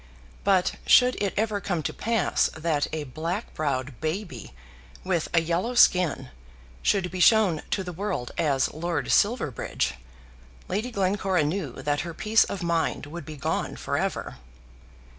But should it ever come to pass that a black browed baby with a yellow skin should be shown to the world as Lord Silverbridge, Lady Glencora knew that her peace of mind would be gone for ever.